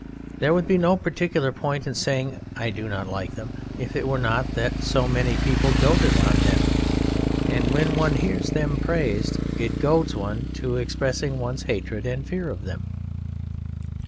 There would be no particular point in saying I do not like Them if it were not that so many people doted on Them, and when one hears Them praised, it goads one to expressing one's hatred and fear of Them.